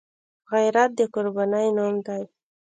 غیرت د قربانۍ نوم دی